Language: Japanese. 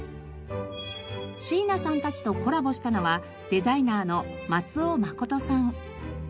椎名さんたちとコラボしたのはデザイナーの松尾慎さん。